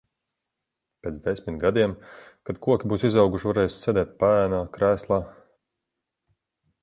Pēc desmit gadiem kad koki būs izauguši, varēsi sēdēt paēnā, krēslā.